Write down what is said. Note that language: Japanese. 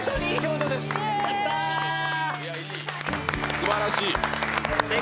すばらしい。